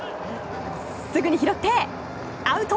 すぐに拾って、アウト！